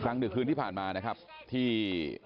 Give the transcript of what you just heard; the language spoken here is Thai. ครั้งดือคืนที่ผ่านมานะครับที่